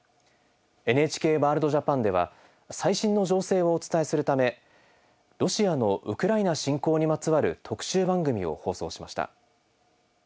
「ＮＨＫワールドＪＡＰＡＮ」では最新の情勢をお伝えするためロシアのウクライナ侵攻にまつわる特集番組を放送しました。